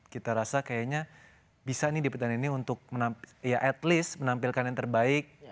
kita rasa kayaknya bisa nih di pertandingan ini untuk ya at least menampilkan yang terbaik